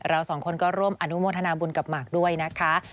เราสองคนก็ร่วมอนุโมทนาบุญกับหมากด้วยนะคะ